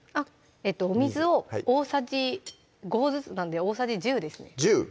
お水を大さじ５ずつなんで大さじ１０ですね１０！